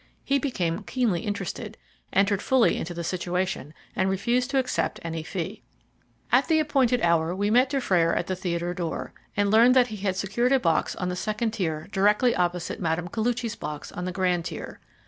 He became keenly interested, entered fully into the situation, and refused to accept any fee. At the appointed hour we met Dufrayer at the theatre door, and learned that he had secured a box on the second tier directly opposite Mme. Koluchy's box on the grand tier.